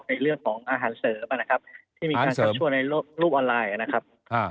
ในเรื่องของอาหารเสริมนะครับที่มีการชักชวนในโลกออนไลน์นะครับ